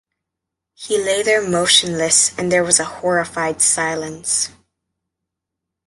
He lay there motionless and there was a horrified silence.